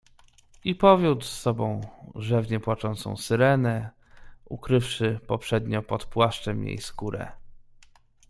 "I powiódł z sobą rzewnie płaczącą Syrenę, ukrywszy poprzednio pod płaszczem jej skórę."